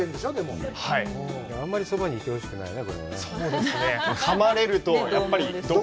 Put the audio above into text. あんまりそばにいてほしくないね。